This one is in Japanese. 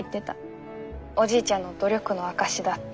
おじいちゃんの努力の証しだって。